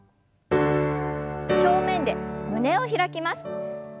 正面で胸を開きます。